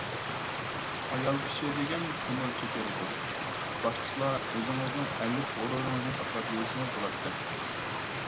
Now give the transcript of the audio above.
ئايال كىشى دېگەن تومۇرچى كېلىدۇ. باشتىلا ئۆزىڭىزنىڭ ئەرلىك غۇرۇرىڭىزنى ساقلاپ يۈرسىڭىز بولاتتى.